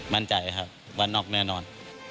มั่นใจครับว่านอกแน่นอน